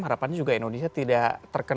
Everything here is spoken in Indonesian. harapannya juga indonesia tidak terkena